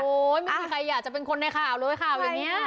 ไม่มีใครอยากจะเป็นคนในข่าวเลยข่าวอย่างนี้